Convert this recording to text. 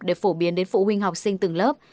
để phổ biến đến phụ huynh học sinh từng lớp